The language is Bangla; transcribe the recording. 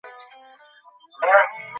বাড়ি চলে যাও।